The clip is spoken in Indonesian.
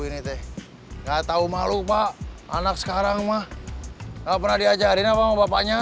ini teh nggak tahu malu pak anak sekarang mah gak pernah diajarin apa bapaknya